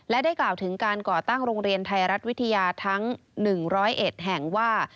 และได้กล่าวถึงการก่อตั้งโรงเรียนไทยรัฐวิทยาทั้ง๑๐๑แห่งว่า